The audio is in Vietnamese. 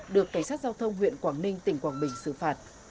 được cảnh sát giao thông huyện quảng ninh tỉnh quảng bình xử phạt